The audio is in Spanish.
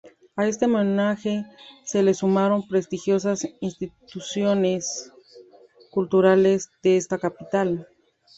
A este homenaje se sumaron prestigiosas instituciones culturales de esa capital.